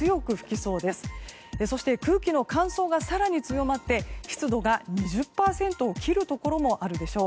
そして空気の乾燥が更に強まって湿度が２０％を切るところもあるでしょう。